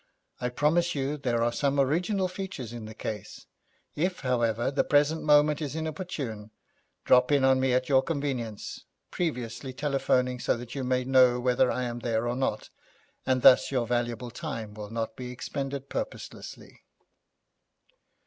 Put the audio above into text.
I promise you there are some original features in the case. If, however, the present moment is inopportune, drop in on me at your convenience, previously telephoning so that you may know whether I am there or not, and thus your valuable time will not be expended purposelessly.'